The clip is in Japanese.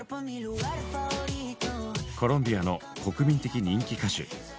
コロンビアの国民的人気歌手。